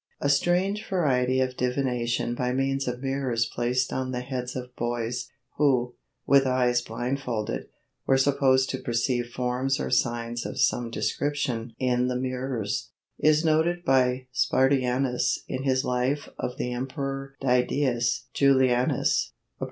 A strange variety of divination by means of mirrors placed on the heads of boys, who, with eyes blindfolded, were supposed to perceive forms or signs of some description in the mirrors, is noted by Spartianus in his life of the Emperor Didius Julianus (ca.